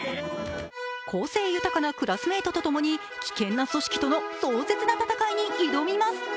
個性豊かなクラスメートともに危険な組織との壮絶な戦いに挑みます。